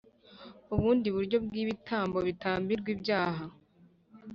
Ubundi buryo bw ibitambo bitambirwa ibyaha